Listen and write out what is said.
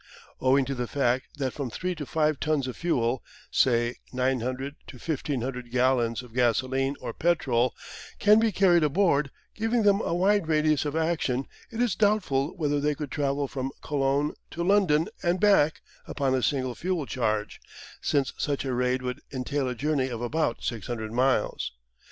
Owing to the fact that from 3 to 5 tons of fuel say 900 to 1,500 gallons of gasoline or petrol can be carried aboard, giving them a wide radius of action, it is doubtful whether they could travel from Cologne to London and back upon a single fuel charge, since such a raid would entail a journey of about 600 miles.